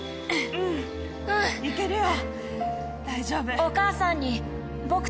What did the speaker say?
うんいけるよ